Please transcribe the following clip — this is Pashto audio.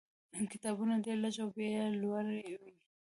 کتابونه ډېر لږ او بیې یې لوړې وې.